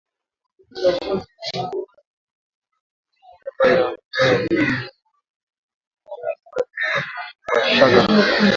Dbeibah ambaye amekataa kukabidhi madaraka kwa Fathi Bashagha